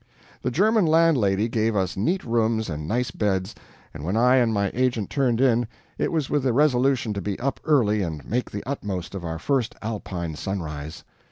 The German landlady gave us neat rooms and nice beds, and when I and my agent turned in, it was with the resolution to be up early and make the utmost of our first Alpine sunrise.